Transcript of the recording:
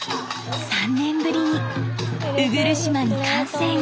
３年ぶりに鵜来島に歓声が。